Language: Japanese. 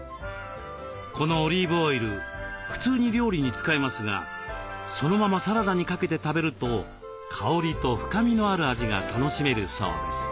このオリーブオイル普通に料理に使えますがそのままサラダにかけて食べると香りと深みのある味が楽しめるそうです。